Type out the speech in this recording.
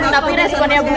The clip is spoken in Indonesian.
tapi responnya bumega